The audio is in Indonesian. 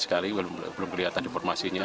sedikit sekali belum kelihatan deformasinya